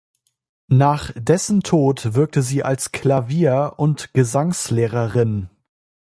Nach dessen Tod wirkte sie als Klavier- und Gesangslehrerin.